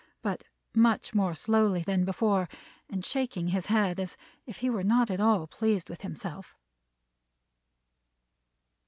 But much more slowly than before, and shaking his head, as if he were not at all pleased with himself.